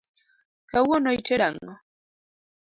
Kawuono itedo ang’o?